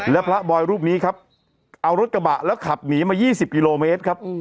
และพระบอยรูปนี้ครับเอารถกระบะแล้วขับหนีมา๒๐กิโลเมตรครับ